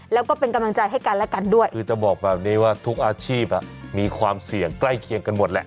แล้วก็เป็นกำลังใจให้กันและกันด้วยคือจะบอกแบบนี้ว่าทุกอาชีพมีความเสี่ยงใกล้เคียงกันหมดแหละ